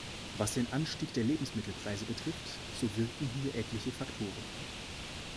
Was den Anstieg der Lebensmittelpreise betrifft, so wirken hier etliche Faktoren.